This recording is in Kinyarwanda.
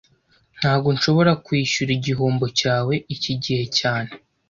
Ntago nshobora kwishyura igihombo cyawe iki gihe cyane